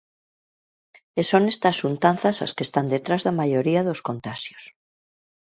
E son estas xuntanzas as que están detrás da maioría dos contaxios.